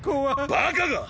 バカが！